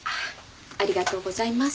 ありがとうございます。